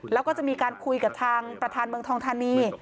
แล้วก็จะมีการคุยกับทางประธานเมืองทองธานี